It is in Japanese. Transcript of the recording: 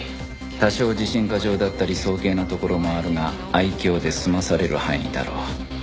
多少自信過剰だったり早計なところもあるが愛嬌で済まされる範囲だろう